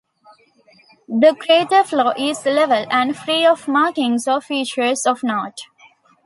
The crater floor is level and free of markings or features of note.